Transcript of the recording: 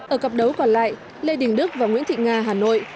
ở cặp đấu còn lại lê đình đức và nguyễn thị nga hà nội